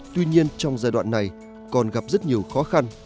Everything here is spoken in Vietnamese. tuy nhiên trong giai đoạn này còn gặp rất nhiều khó khăn